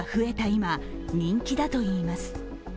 今人気だといいます。